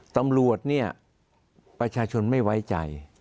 ตำรวจเนี่ยประชาชนไม่ไว้ใจ